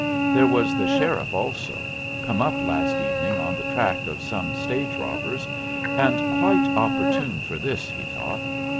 There was the sheriff also, come up last evening on the track of some stage robbers, and quite opportune for this, he thought.